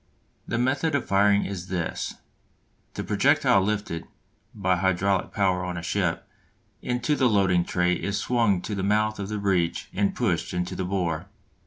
The method of firing is this: The projectile lifted (by hydraulic power on a ship) into the loading tray is swung to the mouth of the breech and pushed into the bore.